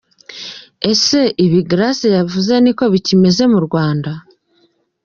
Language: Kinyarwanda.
Ese ibi Grace yavuze ni ko bikimeze mu Rwanda?.